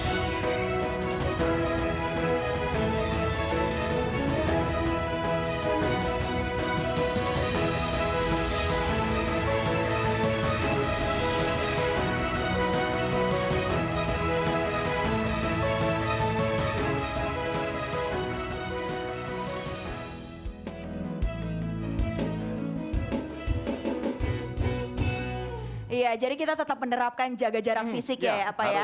iya jadi kita tetap menerapkan jaga jarak fisik ya ya apa ya